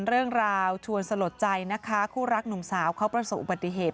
เรื่องราวชวนสลดใจนะคะคู่รักหนุ่มสาวเขาประสบอุบัติเหตุ